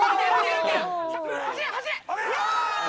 走れ走れ！